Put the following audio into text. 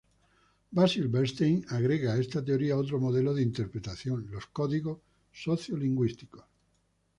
Basil Bernstein agrega a esta teoría otro modo de interpretación: los códigos socio-lingüísticos.